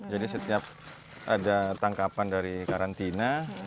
jadi setiap ada tangkapan dari karantina